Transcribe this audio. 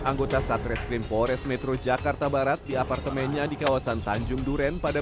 anggota satreskrim polres metro jakarta barat di apartemennya di kawasan tanjung duren pada